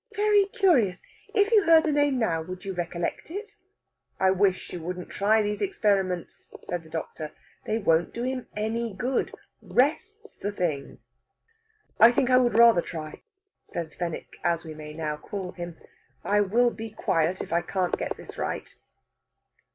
"Very curious! If you heard the name now, would you recollect it?" "I wish you wouldn't try these experiments," says the doctor. "They won't do him any good. Rest's the thing." "I think I would rather try," says Fenwick, as we may now call him. "I will be quiet if I can get this right."